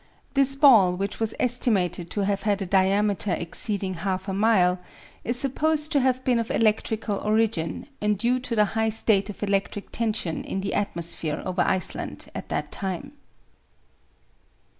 This ball which was estimated to have had a diameter exceeding half a mile, is supposed to have been of electrical origin, and due to the high state of electric tension in the atmosphere over Iceland at that time.